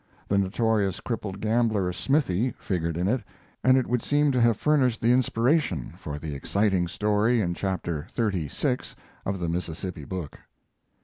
The notorious crippled gambler, "Smithy," figured in it, and it would seem to have furnished the inspiration for the exciting story in Chapter XXXVI of the Mississippi book.